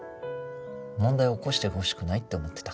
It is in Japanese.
問題を起こしてほしくないって思ってた